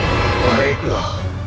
kau akan menjaga aku